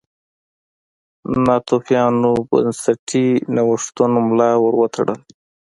ناتوفیانو بنسټي نوښتونو ملا ور وتړله.